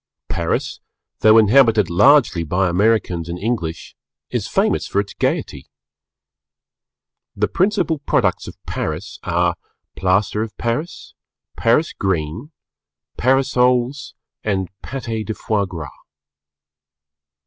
Paris, though inhabited largely by Americans and English, is famous for its gaiety. The principal products of Paris are Plaster of Paris, Paris Green, Parasols and Pâté de fois gras.